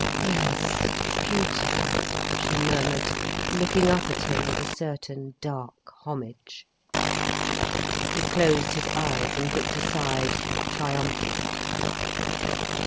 "Yes, beautiful," she murmured, looking up at him with a certain dark homage. He closed his eyes and looked aside, triumphant.